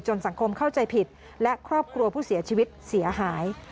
สังคมเข้าใจผิดและครอบครัวผู้เสียชีวิตเสียหาย